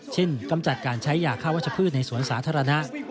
กำจัดการใช้ยาฆ่าวัชพืชในสวนสาธารณะ